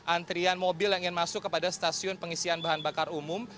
antrian mobil yang ingin masuk kepada stasiun pengisian bahan bakar umum